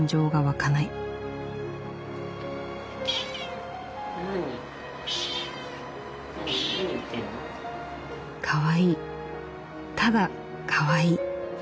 「かわいい。ただかわいい」。